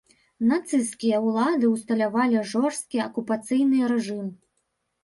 Нацысцкія ўлады ўсталявалі жорсткі акупацыйны рэжым.